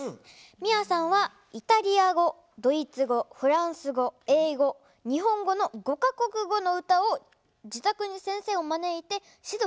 美愛さんはイタリア語ドイツ語フランス語英語日本語の５か国語の歌を自宅に先生を招いて指導してもらっているそうです。